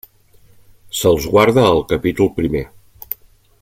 Se'ls guarda al capítol primer.